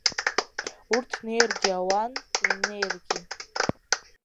Урҭ неиргьы ауан, имнеиргьы.